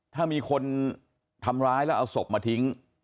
ถ้ามีคนทำร้ายแล้วเอาศพมาทิ้ง